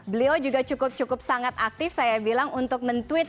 beliau juga cukup cukup sangat aktif saya bilang untuk men tweet